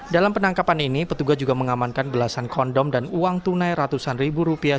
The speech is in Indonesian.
dalam penangkapan ini petugas juga mengamankan belasan kondom dan uang tunai ratusan ribu rupiah